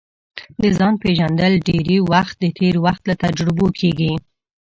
د ځان پېژندل ډېری وخت د تېر وخت له تجربو کیږي